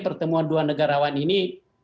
pertemuan dua negara awan ini